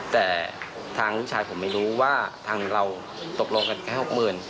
แต่ทางลูกชายผมไม่รู้ว่าทางเราตกลงกันแค่หกหมื่น